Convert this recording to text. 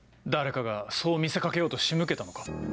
誰かがそう見せ掛けようと仕向けたのか？